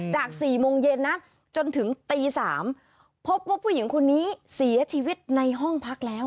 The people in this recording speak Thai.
๔โมงเย็นนะจนถึงตี๓พบว่าผู้หญิงคนนี้เสียชีวิตในห้องพักแล้ว